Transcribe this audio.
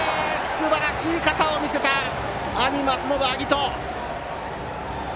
すばらしい肩を見せた兄・松延晶音！